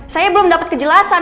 saya belum dapet kejelasan